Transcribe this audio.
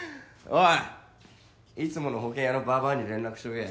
おいいつもの保険屋のばばあに連絡しとけ。